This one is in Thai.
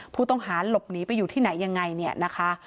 ผู้ต้องหาหลบหนีไปอยู่ที่ไหนยังไงเนี่ยนะคะ